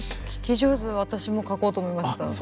聞き上手私も書こうと思いました。